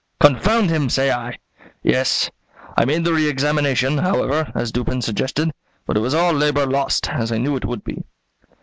"Confound him! say I yes; I made the re examination, however, as Dupin suggested, but it was all labour lost, as I knew it would be."